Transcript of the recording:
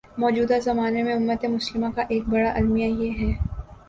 موجودہ زمانے میں امتِ مسلمہ کا ایک بڑا المیہ یہ ہے